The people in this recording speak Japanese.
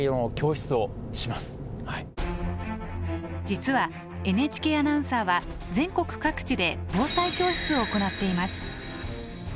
実はＮＨＫアナウンサーは全国各地で防災教室を行っています。